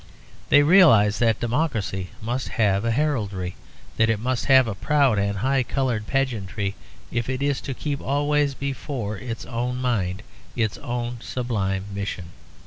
They realized that democracy must have a heraldry, that it must have a proud and high coloured pageantry, if it is to keep always before its own mind its own sublime mission.